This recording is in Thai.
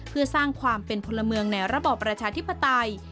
เพื่อสร้างความเป็นพลเมืองในระบอบประชาธิปไตย